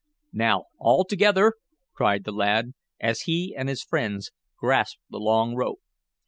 "Now, all together!" cried the lad, as he and his friends grasped the long rope.